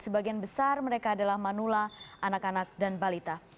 sebagian besar mereka adalah manula anak anak dan balita